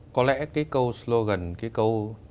có lẽ câu slogan câu